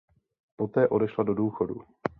Poté odešla do důchodu.